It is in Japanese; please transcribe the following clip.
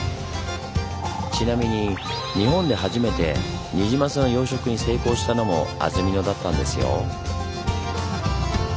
ちなみに日本で初めてニジマスの養殖に成功したのも安曇野だったんですよ。